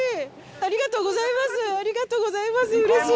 ありがとうございますうれしい。